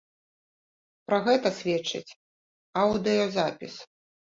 Пра гэта сведчыць аўдыёзапіс.